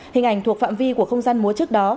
hình ảnh thuộc phạm vi của không gian múa trước đó